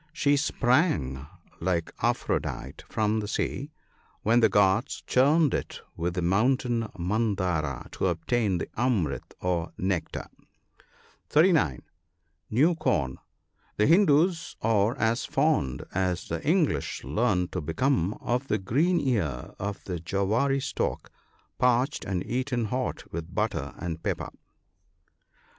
She sprang, like Aphrodite, from the sea, when the gods churned it with the mountain Mandara to obtain the " Amrit," or nectar. (39) New corn. — The Hindoos are as fond, as the English learn to become, of the green ear of the jowaree stalk parched and eaten hot with butter and pepper.